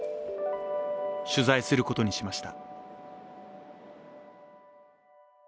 取材することにしました。